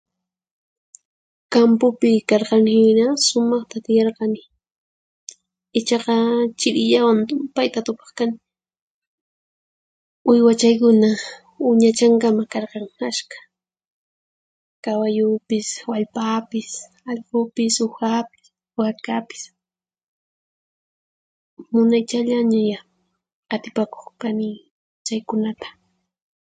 Kampupi karqani hina sumaqta tiyarqani ichaqa chhirillawan tumpayta tupaq kani. Uywachaykuna uñachankama karqan ashkha, kawallupis, wallpapis, allqupis, uhapis, wakapis. Munaychallañayá qatipakuq kani chaykunata.